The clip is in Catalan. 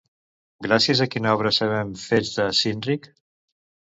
Gràcies a quina obra sabem fets de Cynric?